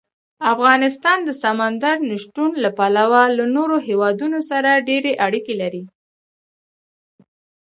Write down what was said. افغانستان د سمندر نه شتون له پلوه له نورو هېوادونو سره ډېرې اړیکې لري.